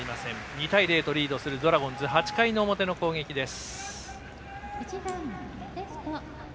２対０とリードするドラゴンズ８回の表の攻撃です。